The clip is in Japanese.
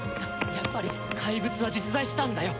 やっぱり怪物は実在したんだよ。